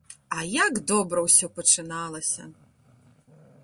А як добра ўсё пачыналася!